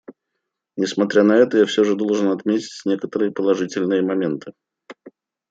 Несмотря на это, я все же должен отметить некоторые положительные моменты.